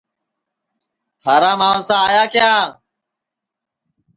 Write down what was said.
تھارا ماوسا آئیا کیا